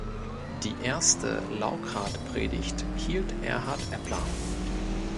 Die erste Laukhard-Predigt hielt Erhard Eppler.